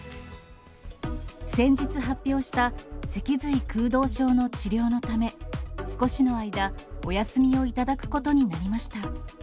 先日発表した、脊髄空洞症の治療のため、少しの間、お休みを頂くことになりました。